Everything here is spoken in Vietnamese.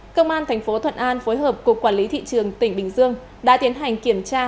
công an tp thuận an phối hợp cục quản lý thị trường tỉnh bình dương đã tiến hành kiểm tra